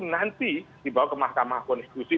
nanti dibawa ke mahkamah konstitusi